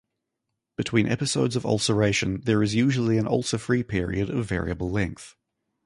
Between episodes of ulceration, there is usually an ulcer-free period of variable length.